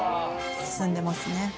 進んでますね。